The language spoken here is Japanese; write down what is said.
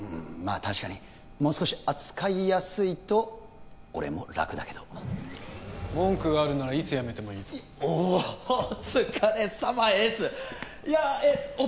確かにもう少し扱いやすいと俺も楽だけど文句があるならいつ辞めてもいいぞお疲れさまエースいやえっオペ